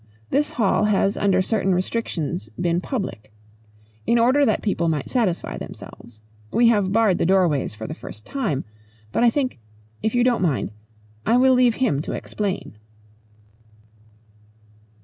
This hall has under certain restrictions been public. In order that people might satisfy themselves. We have barred the doorways for the first time. But I think if you don't mind, I will leave him to explain."